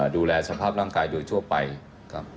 ดูแลสภาพร่างกายโดยทั่วไปครับ